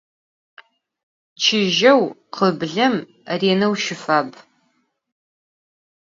Çıjeu, khıblem, aş rêneu şıfab.